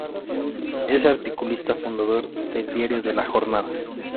Es articulista fundador del diario La Jornada.